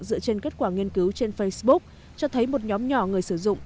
dựa trên kết quả nghiên cứu trên facebook cho thấy một nhóm nhỏ người sử dụng